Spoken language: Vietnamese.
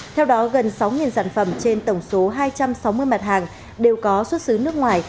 theo đó gần sáu sản phẩm trên tổng số hai trăm sáu mươi mặt hàng đều có xuất xứ nước ngoài